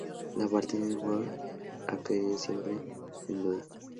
La paternidad de Von Bülow o Wagner ha quedado siempre en duda.